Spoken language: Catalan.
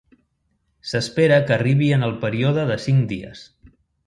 S'espera que arribi en el període de cinc dies.